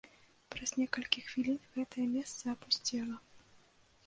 Праз некалькі хвілін гэтае месца апусцела.